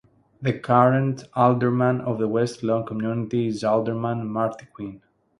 The current Alderman of the West Lawn community is Alderman Marty Quinn.